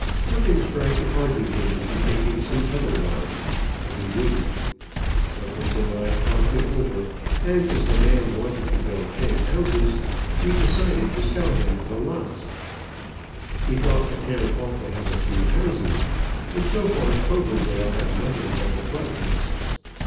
Perkins tried to argue him into taking some other lots, but he wouldn't. Perkins and I talked it over, and, as the man wanted to build ten houses, we decided to sell him the lots. We thought a town ought to have a few houses, and so far Cloverdale had nothing but the Club house.